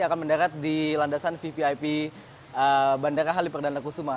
akan mendarat di landasan vvip bandara halim perdana kusuma